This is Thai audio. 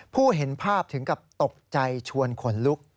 เห็นภาพถึงกับตกใจชวนขนลุก